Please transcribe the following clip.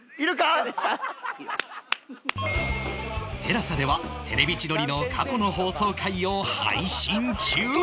ＴＥＬＡＳＡ では『テレビ千鳥』の過去の放送回を配信中